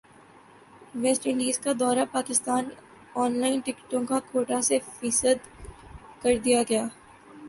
waste Indies کا دورہ Pakistan online ٹکٹوں کاکوٹہ سے فیصد کردیاگیا